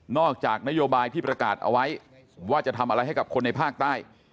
จากนโยบายที่ประกาศเอาไว้ว่าจะทำอะไรให้กับคนในภาคใต้